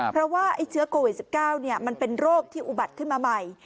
เพราะว่าไอ้เชื้อโควิด๑๙มันเป็นโรคที่อุบัติขึ้นมาใหม่